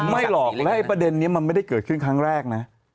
ไม่หรอกและประเด็นนี้มันไม่ได้เกิดขึ้นครั้งแรกนะ